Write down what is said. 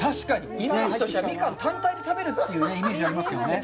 イメージとしては、ミカン単体で食べるというイメージがありますけどね。